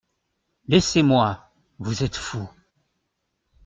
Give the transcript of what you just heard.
Laissez-moi ! vous êtes fou.